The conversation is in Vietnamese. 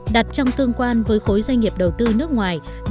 đặt trong tương quan với khối doanh nghiệp đầu tư nước ngoài